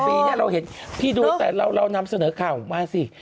ปีนี้เราเห็นพี่ดูแต่เรานำเสนอข่าวมาสิ